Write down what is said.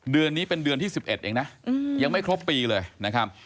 เดือนนี้เป็นเดือนที่๑๑เองนะยังไม่ครบปีเลยนะครับ